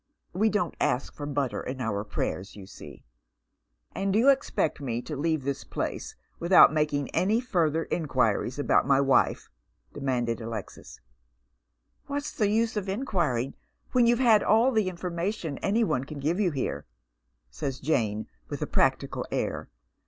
We don't ask for butter in our prayers, you see.'* " And you expect me to leave this place without making any further inquiries about my wife ?" demanded Alexis. " What's the use of inquiring when you've had all the in formation any one can give you here ?" asks Jane, with a practical air.